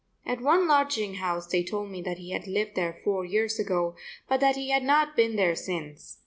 At one lodging house they told me that he had lived there four years ago but that he had not been there since.